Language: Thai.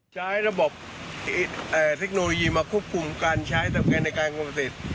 ใช้ระบบเทคโนโลยีมาควบคุมการใช้การทำการในการเกษตร